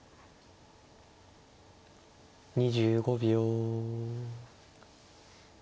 ２５秒。